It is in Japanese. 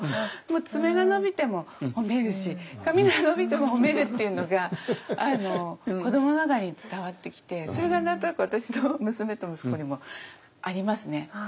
爪が伸びても褒めるし髪が伸びても褒めるっていうのが子どもながらに伝わってきてそれが何となく私の娘と息子にもありますね。